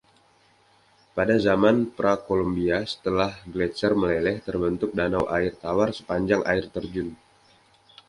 Pada zaman Pra-Kolombia, setelah gletser meleleh, terbentuk danau air tawar sepanjang air terjun.